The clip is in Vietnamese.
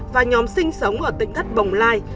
và nhóm sinh sống ở tỉnh thất bồng lai